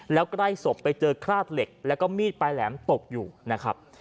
แล้วใกล้ศพไปเจอคราดเหล็กแล้วก็มีดปลายแหลมตกอยู่นะครับ